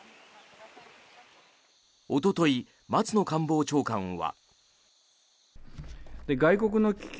おととい、松野官房長官は。